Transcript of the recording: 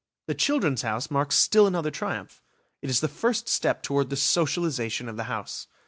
The "Children's House" marks still another triumph; it is the first step toward the socialisation of the house.